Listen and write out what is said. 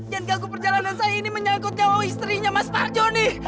yang ganggu perjalanan saya ini menyangkut nyawa istrinya mas farjo nih